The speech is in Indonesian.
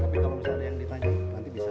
tapi kalau misalnya yang ditanya nanti bisa lah